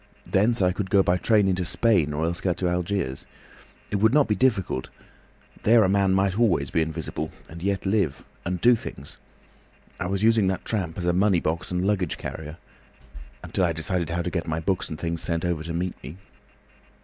Thence I could go by train into Spain, or else get to Algiers. It would not be difficult. There a man might always be invisible—and yet live. And do things. I was using that tramp as a money box and luggage carrier, until I decided how to get my books and things sent over to meet me."